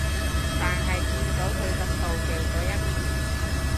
但係見到佢咁妒忌嗰一面